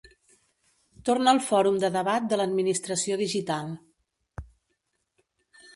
Torna el fòrum de debat de l'administració digital.